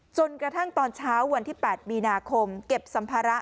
จนกระทั่งตอนเช้าวันที่๘มีนาคมเก็บสัมภาระ